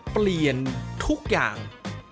เปลี่ยนทุกอย่าง